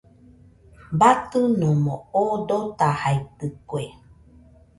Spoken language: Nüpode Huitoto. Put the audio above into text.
Batɨnomo oo dotajaitɨkue.